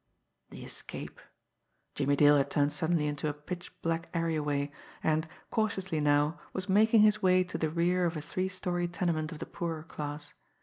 The escape! Jimmie Dale had turned suddenly into a pitch black areaway, and, cautiously now, was making his way to the rear of a three story tenement of the poorer class.